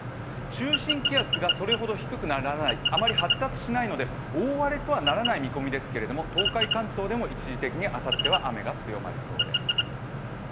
中心気圧がそれほど低くならない、あまり発達しないので、大荒れとはならない見込みですけども、東海、関東でも一時的にあさっては雨が強まりそうです。